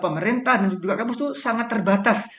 pemerintah dan juga kampus itu sangat terbatas